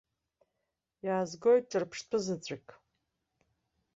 Иаазгоит ҿырԥшьтәы заҵәык.